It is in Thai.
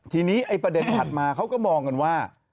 ทีนี้ไอ้ประเด็นถัดมาเขาก็มองกันว่า